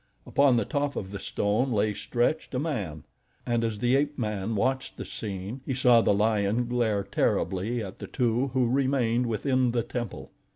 Upon the top of the stone lay stretched a man, and as the ape man watched the scene, he saw the lion glare terribly at the two who remained within the temple.